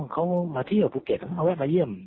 เขามาเที่ยวภูเก็ตเขาแวะมาเยี่ยม